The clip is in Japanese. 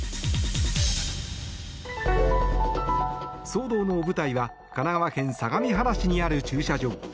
騒動の舞台は神奈川県相模原市にある駐車場。